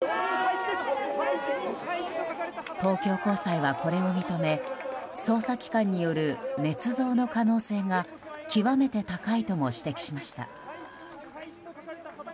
東京高裁は、これを認め捜査機関によるねつ造の可能性が極めて高いとも指摘しました。